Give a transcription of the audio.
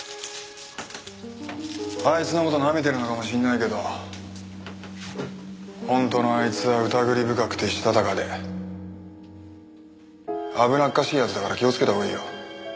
あいつの事なめてるのかもしれないけど本当のあいつは疑り深くてしたたかで危なっかしい奴だから気をつけたほうがいいよ。